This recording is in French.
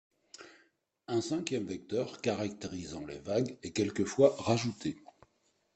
Un cinquième vecteur caractérisant les vagues est quelquefois rajouté.